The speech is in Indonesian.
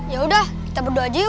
yaudah kita berdua aja yuk bel